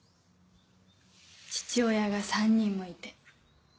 父親が３人もいて。